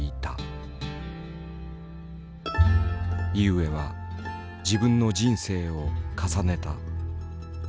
井植は自分の人生を重ねた。